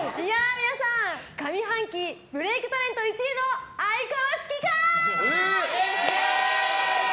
皆さん、上半期ブレークタレント１位のイエーイ！